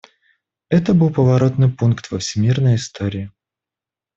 Это был поворотный пункт во всемирной истории.